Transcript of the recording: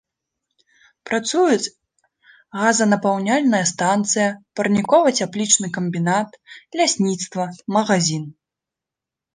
Працуюць газанапаўняльная станцыя, парнікова-цяплічны камбінат, лясніцтва, магазін.